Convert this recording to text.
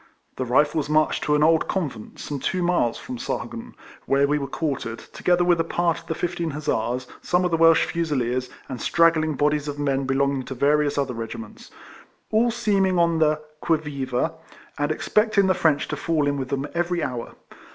The Rifles marched to an ol(^convent, some two miles from Sahagun, where we were quartered, together with a part of the 15th Hussars, some of the Welsh fusileers and straggling bodies of men be longing to various other regiments; all H 3 154 RECOLLECTIONS OF seeming on the qui vive^ and expecting the French to fall in with them every hour.